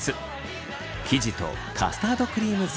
生地とカスタードクリーム作りです。